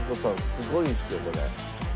すごいですよこれ。